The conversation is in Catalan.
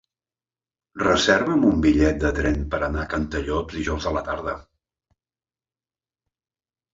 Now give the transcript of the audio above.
Reserva'm un bitllet de tren per anar a Cantallops dijous a la tarda.